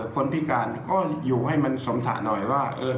คนพิการก็อยู่ให้มันสมถะหน่อยว่า